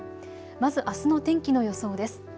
まずあすの天気の予想です。